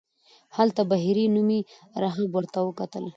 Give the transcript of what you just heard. هلته بهیري نومې راهب ورته وکتل.